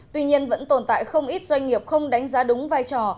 tuy nhiên vẫn tồn tại không ít doanh nghiệp không đánh giá đúng vai trò